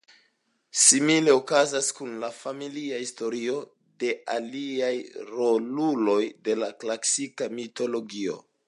Simile okazas kun la "familia" historio de aliaj roluloj de la klasika mitologio.